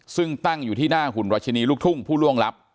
ซึ่งตั้งอยู่ที่หน้าหุ่นรัชนีลูกทุ่งผู้ล่วงลับ